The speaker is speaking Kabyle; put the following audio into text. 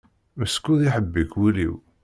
Meskud iḥebbek wul-iw.